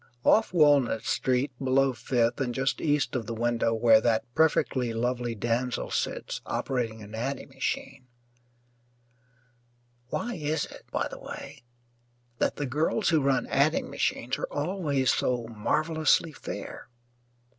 Off Walnut Street, below Fifth, and just east of the window where that perfectly lovely damsel sits operating an adding machine why is it, by the way, that the girls who run adding machines are always so marvellously fair?